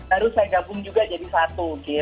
baru saya gabung juga jadi satu